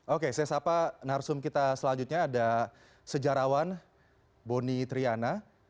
oke saya sapa narsum kita selanjutnya ada sejarawan boni triana